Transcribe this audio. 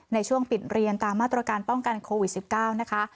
ในช่วงปิดเรียนตามมาตรการป้องกันโควิด๑๙นะคะ